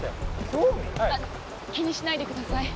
あっ気にしないでください。